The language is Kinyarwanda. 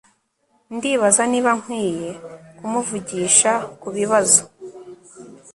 ndibaza niba nkwiye kumuvugisha kubibazo